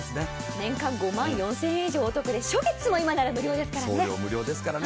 年間５万４０００円以上お得で初月も今なら無料ですからね。